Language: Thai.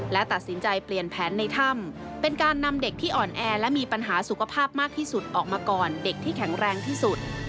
และตัดสินใจเปลี่ยนแผนในถ้ำเป็นการนำเด็กที่อ่อนแอและมีปัญหาสุขภาพมากที่สุดออกมาก่อนเด็กที่แข็งแรงที่สุด